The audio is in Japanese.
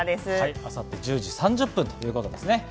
明後日１０時３０分ということですね。